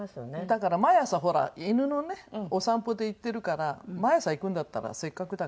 だから毎朝ほら犬のねお散歩で行ってるから毎朝行くんだったらせっかくだからやった方がいい。